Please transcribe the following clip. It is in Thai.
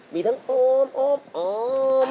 มีทั้งโอ้มโอ้มโอ้ม